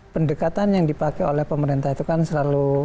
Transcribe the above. pendekatan yang dipakai oleh pemerintah itu kan selalu